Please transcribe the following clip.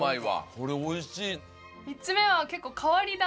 これおいしい！